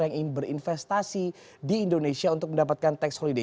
yang ingin berinvestasi di indonesia untuk mendapatkan tax holiday